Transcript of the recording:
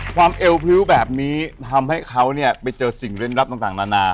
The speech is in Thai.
ความเอวพิวแบบนี้ทำให้เขาไปเจอสิ่งเล่นรับต่างนานา